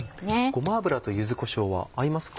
ごま油と柚子こしょうは合いますか？